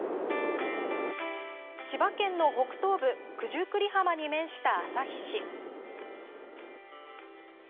千葉県の北東部、九十九里浜に面した旭市。